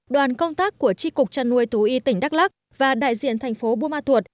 đoàn công tác của tri cục trăn nuôi thú y tỉnh đắk lắc và đại diện thành phố buôn ma thuột